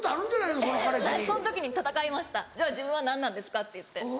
その時に闘いました「自分は何なんですか？」って言って。